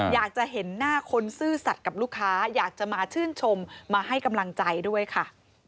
อยากจะเห็นหน้าคนซื่อสัตว์กับลูกค้าอยากจะมาชื่นชมมาให้กำลังใจด้วยค่ะ